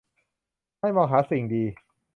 ให้มองหาสิ่งดี